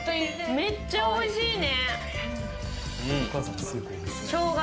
めっちゃおいしいね。